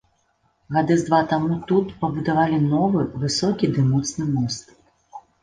Гады з два таму тут пабудавалі новы, высокі ды моцны мост.